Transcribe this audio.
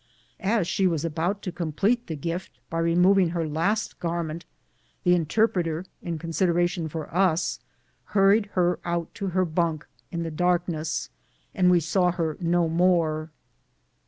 As she was about to complete the gift by removing her last garment, the interpreter, in considera tion for us, hurried her out to her bunk in the darkness, and we saw her no more.